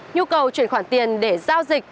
nhu cầu chuyển khoản tiền để giao dịch